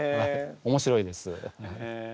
おもしろいです。